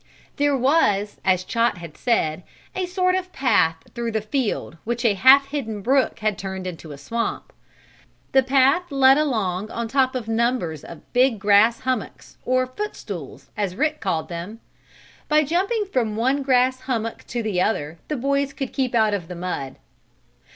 There was, as Chot had said, a sort of path through the field which a half hidden brook had turned into a swamp. The path led along on top of numbers of big grass hummocks, or "footstools," as Rick called them. By jumping from one grass hummock to the other the boys could keep out of the mud.